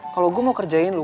kalau gue mau kerjain loh